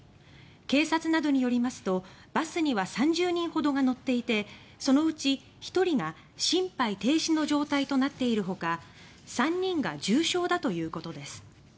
警察などによりますとバスには３０人ほどが乗っていてそのうち１人が心肺停止の状態となっているほか３人が重傷だということです。